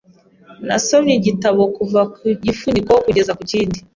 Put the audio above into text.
Nasomye igitabo kuva ku gifuniko kugeza ku kindi .